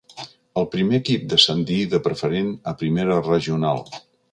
El primer equip descendí de preferent a primera regional.